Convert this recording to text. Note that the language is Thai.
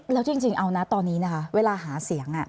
แล้วจริงเอานะตอนนี้นะคะเวลาหาเสียง